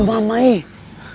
kemana pergi nih lu